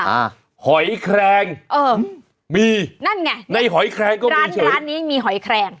อ่าหอยแครงเออมีนั่นไงในหอยแครงก็มีร้านร้านนี้มีหอยแครง